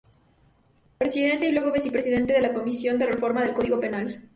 Presidente y luego vicepresidente de la comisión de reforma del Código Penal.